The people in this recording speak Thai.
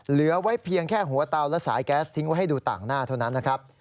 เหลือไว้เพียงแค่หัวเตาและสายแก๊สทิ้งไว้ให้ดูต่างหน้าเท่านั้นนะครับ